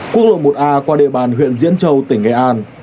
quốc lộ một a qua địa bàn huyện diễn châu tỉnh nghệ an